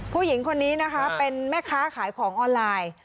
ผู้หญิงคนนี้นะคะเป็นแม่ค้าขายของออนไลน์